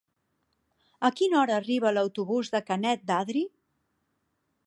A quina hora arriba l'autobús de Canet d'Adri?